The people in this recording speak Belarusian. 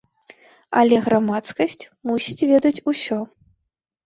Але грамадскасць мусіць ведаць усё.